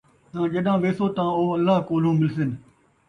تاں ڄَݙاں ویسو تاں او اللہ کولہوں مِلسِن،